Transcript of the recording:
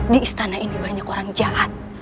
di istana ini banyak orang jahat